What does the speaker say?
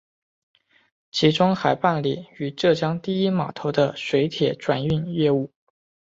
其中还办理与浙江第一码头的水铁转运业务。